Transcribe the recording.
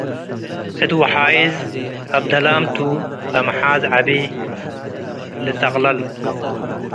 እት ወሓይዝ አብደላም ቱ - ለመሓዝ ዐቢ ልጸቅለል